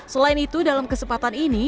selain itu dalam kesempatan ini